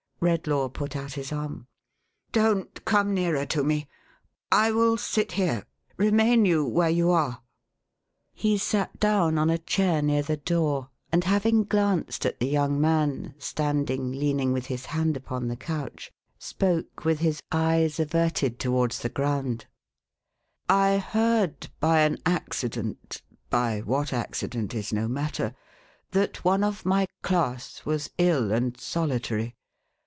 Redlaw put out his arm. "Don't come nearer to me. I will sit here. Remain yon, where you are !" He sat down on a chair near the door, and having glanced at the young man standing leaning with his hand upon the couch, spoke with his eyes averted towards the ground. THE CHEMIST AND THE STUDENT. 467 " I heard, by an accident, by what accident is no matter, that one of my class was ill and solitary.